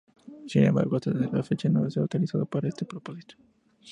Sin embargo, hasta la fecha no se ha utilizado para este propósito.